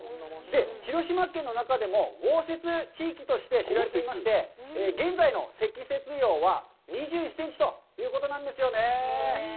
広島県の中でも豪雪地域として知られていまして、現在の積雪量は２１センチということなんですよね。